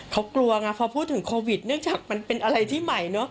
เขากลัวไงพอพูดถึงโควิดเนื่องจากมันเป็นอะไรที่ใหม่เนอะ